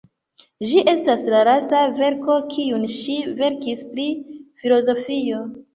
Ĝi estas la lasta verko kiun ŝi verkis pri filozofio.